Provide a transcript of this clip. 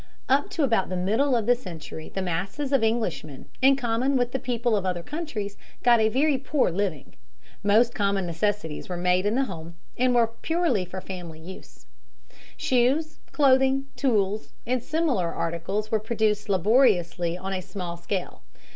Up to about the middle of the century, the masses of Englishmen, in common with the people of other countries, got a very poor living. Most common necessities were made in the home and for purely family use. Shoes, clothing, tools, and similar articles were produced laboriously and on a small scale.